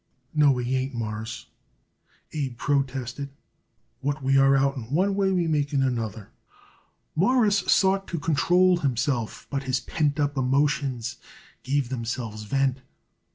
"No, we ain't, Mawruss," Abe protested. "What we are out in one way we make in another." Morris sought to control himself, but his pent up emotions gave themselves vent.